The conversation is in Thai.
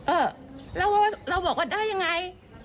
เออเราบอกว่าได้อย่างไร